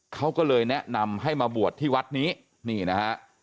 เขาก็เลยแนะนำให้มาบวชที่วัดนี้นี่นะฮะ